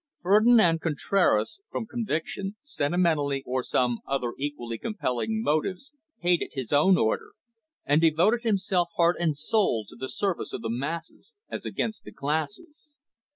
Ferdinand Contraras, from conviction, sentimentality, or some other equally compelling motives, hated his own order, and devoted himself heart and soul to the service of the masses as against the classes.